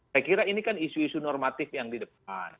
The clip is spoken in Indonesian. saya kira ini kan isu isu normatif yang di depan